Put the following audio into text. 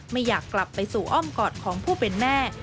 ไม่อยากกลับไปสู่อ้อมกอดของผู้เป็นแม่